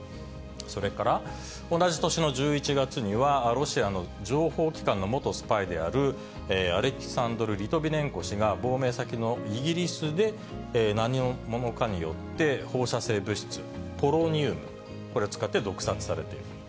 それから、同じ年の１１月には、ロシアの情報機関の元スパイであるアレクサンドル・リトビネンコ氏が亡命先のイギリスで、何者かによって、放射性物質、ポロニウム、これを使って毒殺されている。